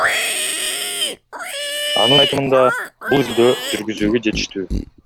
Анын айтымында, бул изилдөө жүргүзүүгө жетиштүү.